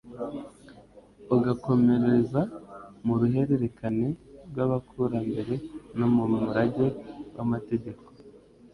ugakomereza mu ruhererekane rw’abakurambere no mu murage w’amategeko